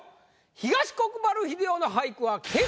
東国原英夫の俳句は。